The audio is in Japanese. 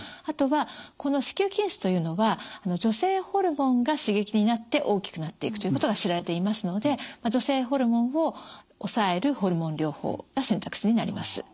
あとはこの子宮筋腫というのは女性ホルモンが刺激になって大きくなっていくということが知られていますので女性ホルモンを抑えるホルモン療法が選択肢になります。